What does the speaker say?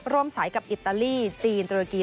ร่วมสายกับอิตาลีจีนตุรกี